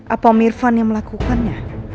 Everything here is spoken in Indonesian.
apa mirvan yang melakukannya